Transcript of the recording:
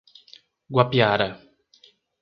Guapiara